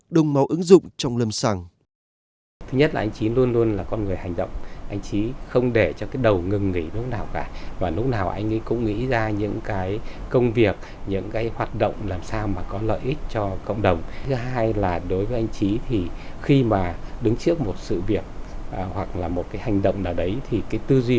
đồng máu đồng máu ứng dụng trong lâm sẳng